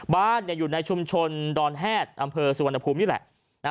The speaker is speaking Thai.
บ้านอยู่ในชุมชนดอนแฮดอำเภอสุวรรณภูมินี่แหละ